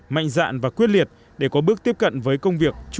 mạnh dạn và quyết liệt để có bước tiếp cận với công việc